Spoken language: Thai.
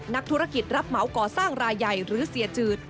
นักธุรกิจรับเหมาก่อสร้างรายใหญ่หรือเสียจืด